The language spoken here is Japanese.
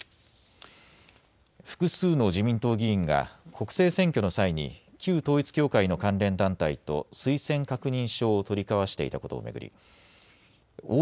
複数の自民党議員が国政選挙の際に旧統一教会の関連団体と推薦確認書を取り交わしていたことを巡り大串